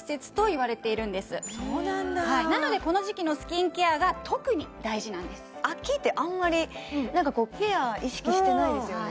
なのでこの時期のスキンケアが特に大事なんです秋ってあんまりなんかこうケア意識してないですよね